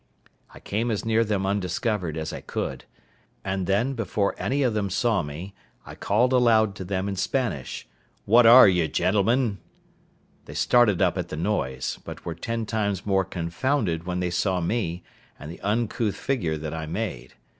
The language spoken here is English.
I came as near them undiscovered as I could, and then, before any of them saw me, I called aloud to them in Spanish, "What are ye, gentlemen?" They started up at the noise, but were ten times more confounded when they saw me, and the uncouth figure that I made.